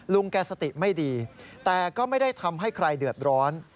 ลุงแกสติไม่ดีแต่ก็ไม่ได้ทำให้ใครเดือดร้อน